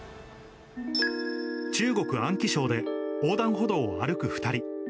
中国・安徽省で、横断歩道を歩く２人。